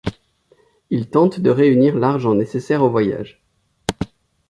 Ils tentent de réunir l'argent nécessaire au voyage.